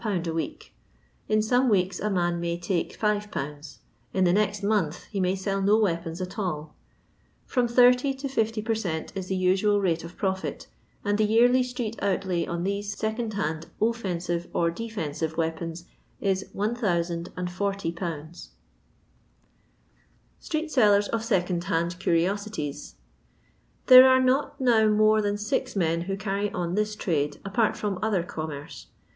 a week. In some weeks a man may take 5^ ; in the next month he may sell no weapons at all. From 80 to 50 per cent, is the usual rate of profit, and the yearly street outlay on these second hand offensive or defensive weapons is 1,040 0 0 Sired Sellert qf Second hand Curiotities, There are not now more than six men who carry on this trade apart from other commerce.